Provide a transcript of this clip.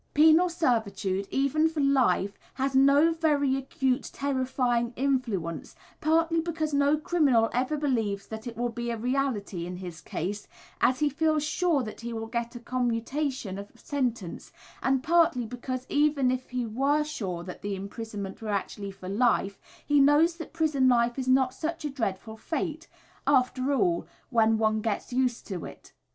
Penal servitude, even for life, has no very acute terrifying influence, partly because no criminal ever believes that it will be a reality in his case, as he feels sure that he will get a commutation of sentence; and partly because, even if he were sure that the imprisonment were actually for life, he knows that prison life is not such a dreadful fate, after all when one gets used to it.